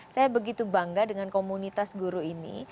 saya begitu bangga dengan komunitas guru ini